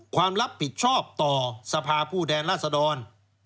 ความรับผิดชอบต่อสภาผู้แทนราษดร